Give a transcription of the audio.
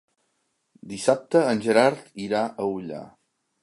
Dissabte en Gerard irà a Ullà.